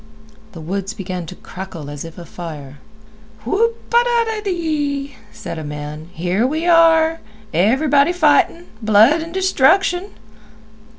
The woods began to crackle as if afire. "Whoop a dadee," said a man, "here we are! Everybody fightin'. Blood an' destruction."